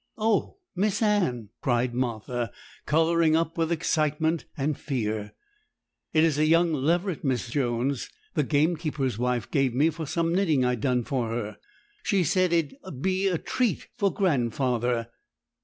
'Oh, Miss Anne,' cried Martha, colouring up with excitement and fear, 'it is a young leveret Mrs. Jones, the gamekeeper's wife, gave me for some knitting I'd done for her; she said it 'ud be a treat for grandfather.